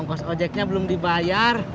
ojeknya belum dibayar